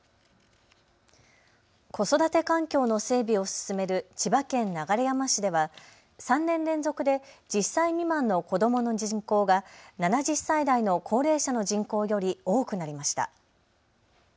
子育て環境の整備を進める千葉県流山市では３年連続で１０歳未満の子どもの人口が７０歳台の高齢者の人口より多くなりました。